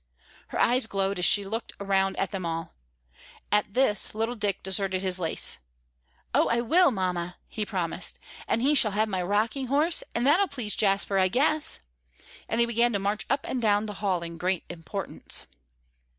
Her eyes glowed as she looked around at them all. At this little Dick deserted his lace. "Oh, I will, Mamma," he promised, "and he shall have my rocking horse, and that'll please Jasper, I guess," and he began to march up and down the hall in great importance.